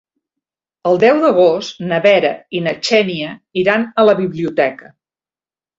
El deu d'agost na Vera i na Xènia iran a la biblioteca.